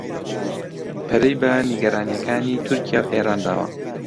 پەرەی بە نیگەرانییەکانی تورکیا و ئێران داوە